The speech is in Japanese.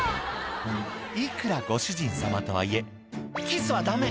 「いくらご主人様とはいえキスはダメ」